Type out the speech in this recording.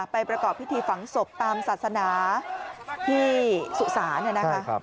ประกอบพิธีฝังศพตามศาสนาที่สุสานเนี่ยนะคะ